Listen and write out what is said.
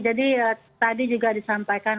jadi tadi juga disampaikan